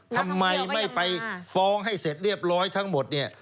ทำไมไม่ไปฟ้องให้เสร็จเรียบร้อยทั้งหมดเนี่ย